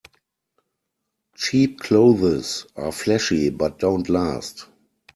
Cheap clothes are flashy but don't last.